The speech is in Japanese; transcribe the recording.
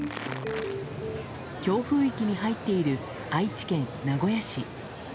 強風域に入っている愛知県名古屋市。